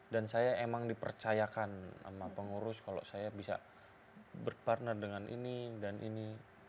dan saya emang dipercayakan sama pengurus kalau saya bisa berpartner dengan ini dan ini